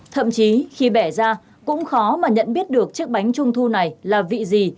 thậm chí khi bẻ ra cũng khó mà nhận biết được chiếc bánh trung thu này là vị gì